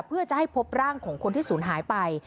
เพื่อจะให้พบร่างของคนที่ศูนย์หายไป